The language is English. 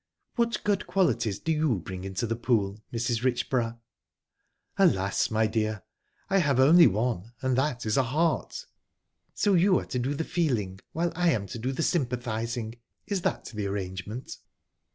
"What good qualities do you bring into the pool, Mrs. Richborough?" "Alas, my dear! I have only one; and that is a heart." "So you are to do the feeling, while I am to do the sympathising; is that the arrangement?"